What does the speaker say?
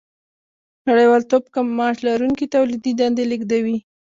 نړیوالتوب کم معاش لرونکي تولیدي دندې لېږدوي